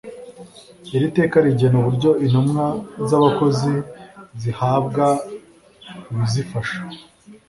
iri teka rigena uburyo intumwa z'abakozi zihabwa ibizifasha